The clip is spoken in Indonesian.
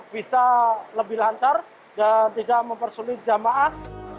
bisa lebih lancar dan tidak mempersulit jamaah